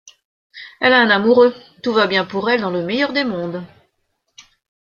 Elle a un amoureux, tout va bien pour elle dans le meilleur des mondes...